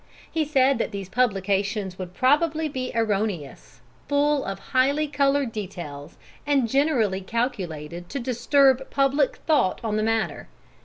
He said that these publications would probably be erroneous, full of highly coloured details, and generally calculated to disturb public thought on the matter.